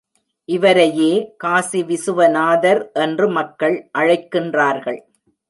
இவரையே காசி விசுவநாதர் என்று மக்கள் அழைக்கிறார்கள்.